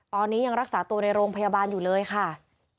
ตอนนี้ยังรักษาตัวในโรงพยาบาลอยู่เลยค่ะ